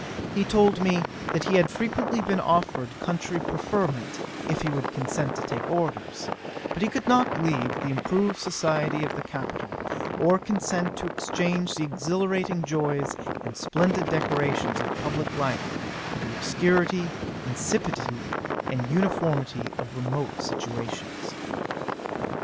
He told me, that he had frequently been offered country preferment, if he would consent to take orders; but he could not leave the improved society of the capital, or consent to exchange the exhilarating joys and splendid decorations of publick life, for the obscurity, insipidity, and uniformity of remote situations.